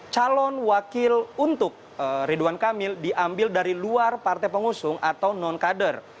calon wakil untuk ridwan kamil diambil dari luar partai pengusung atau non kader